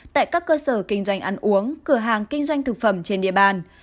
tại các cơ sở kinh doanh ăn uống cửa hàng kinh doanh thực phẩm trên địa bàn